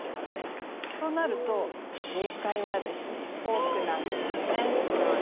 となると正解はですね「フォーク」なんですね。